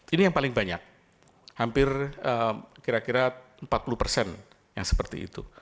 ini yang paling banyak hampir kira kira empat puluh persen yang seperti itu